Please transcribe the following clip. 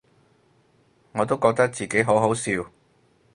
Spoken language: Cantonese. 我都覺得自己好好笑